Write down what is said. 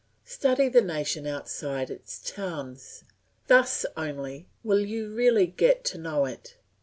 Study the nation outside its towns; thus only will you really get to know it.